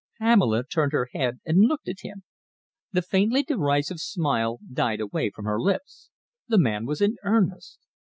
Pamela turned her head and looked at him. The faintly derisive smile died away from her lips. The man was in earnest.